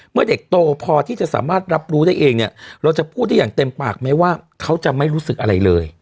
เมื่อเด็กโตพอที่จะสามารถรับรู้ได้เองเนี่ยเราจะพูดได้อย่างเต็มปากไหมว่าเขาจะไม่รู้สึกอะไรเลย